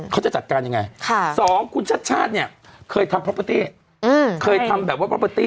เขาจะจัดการยังไงสองคุณชัดเนี่ยเคยทำพอปเตอร์ตี้